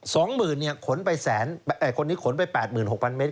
สองหมื่นเนี่ยขนไปแสนเอ่อคนนี้ขนไปแปดหมื่นหกพันเมต